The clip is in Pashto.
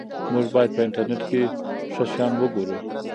موږ باید په انټرنیټ کې ښه شیان وګورو.